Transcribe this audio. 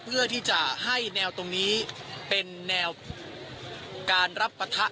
เพื่อที่จะให้แนวตรงนี้เป็นแนวการรับปะทะ